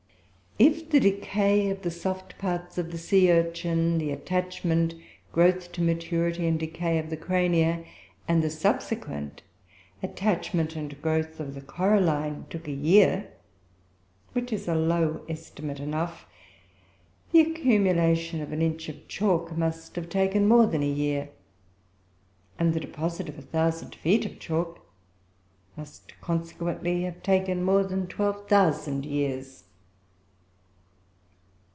If the decay of the soft parts of the sea urchin; the attachment, growth to maturity, and decay of the Crania; and the subsequent attachment and growth of the coralline, took a year (which is a low estimate enough), the accumulation of the inch of chalk must have taken more than a year: and the deposit of a thousand feet of chalk must, consequently, have taken more than twelve thousand years.